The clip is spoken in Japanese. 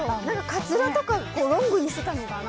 カツラとかロングにしてたのかな。